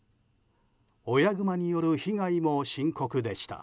親グマによる被害も深刻でした。